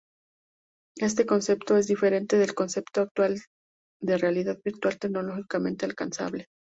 Este concepto es diferente del concepto actual de realidad virtual, tecnológicamente alcanzable.